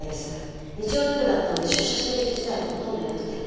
日曜の夜だったので出社してる人自体がほとんどいなくて。